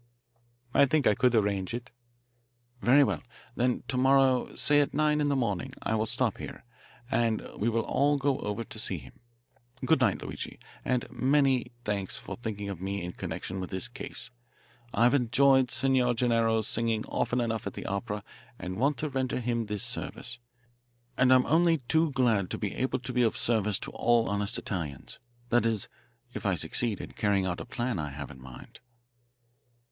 "I think I could arrange it." "Very well. Then to morrow, say at nine in the morning, I will stop here, and we will all go over to see him. Good night, Luigi, and many, thanks for thinking of me in connection with this case. I've enjoyed Signor Gennaro's singing often enough at the opera to want to render him this service, and I'm only too glad to be able to be of service to all honest Italians; that is, if I succeed in carrying out a plan I have in mind."